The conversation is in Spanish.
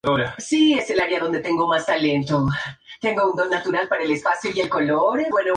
Otros de los asesinatos por el que fue acusado sucedió en Neiva.